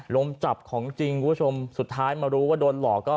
ล้มจับของจริงวัทย์สุดท้ายมารู้ว่าโดนหลอกก็